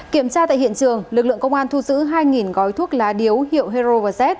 kiểm tra tại hiện trường lực lượng công an thu giữ hai gói thuốc lá điếu hiệu herovz